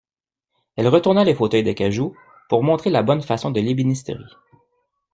Elle retourna les fauteuils d'acajou pour montrer la bonne façon de l'ébénisterie.